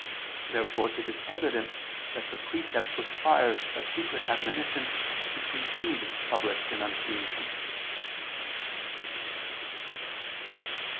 Therefore it is evident that the precept requires a secret admonition to precede public denunciation.